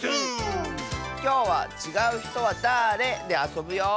きょうは「ちがうひとはだれ？」であそぶよ！